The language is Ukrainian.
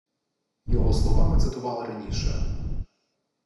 Його слова ми цитували раніше